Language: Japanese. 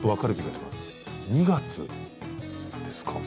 「二月」ですか？